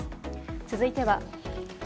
続いては。